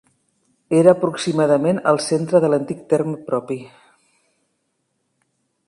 Era aproximadament al centre de l'antic terme propi.